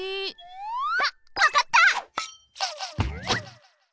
あっわかった！